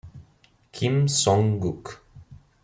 Kim Song-guk